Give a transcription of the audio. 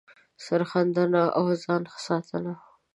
سر ښندنه او ځان ساتنه